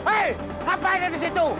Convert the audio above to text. hei apaan yang disitu